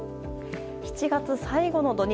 ７月最後の土日